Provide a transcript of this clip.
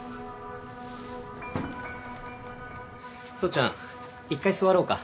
総ちゃん一回座ろうか。